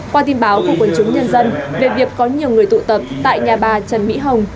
các khu quân chúng nhân dân về việc có nhiều người tụ tập tại nhà bà trần mỹ hồng